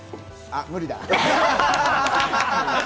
あっ、無理だな。